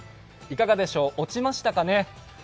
いかがでしょう、オチましたかね？